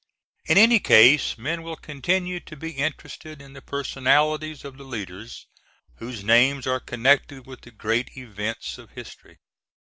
In any case, men will continue to be interested in the personalities of the leaders whose names are connected with the great events of history.